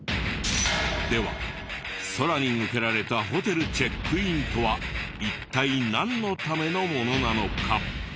では空に向けられた「ホテルチェックイン」とは一体なんのためのものなのか？